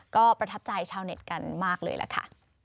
ก็ประทับใจชาวเน็ตกันมากเลยล่ะค่ะ